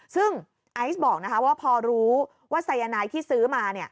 ซึ่งไอซ์บอกว่าพอรู้ว่าสายนายที่ซื้อมา